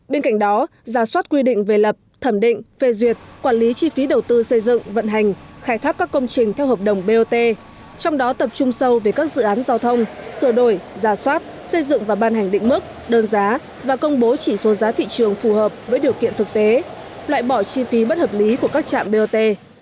bên cạnh đó giả soát quy định về lập thẩm định phê duyệt quản lý chi phí đầu tư xây dựng vận hành khai thác các công trình theo hợp đồng bot trong đó tập trung sâu về các dự án giao thông sửa đổi giả soát xây dựng và ban hành định mức đơn giá và công bố chỉ số giá thị trường phù hợp với điều kiện thực tế loại bỏ chi phí bất hợp lý của các trạm bot